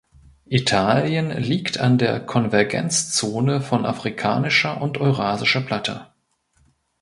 Italien liegt an der Konvergenzzone von Afrikanischer und Eurasischer Platte.